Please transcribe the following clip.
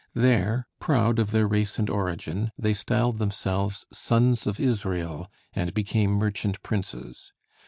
There, proud of their race and origin, they styled themselves, "Sons of Israel," and became merchant princes.